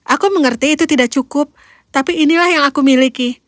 aku mengerti itu tidak cukup tapi inilah yang aku miliki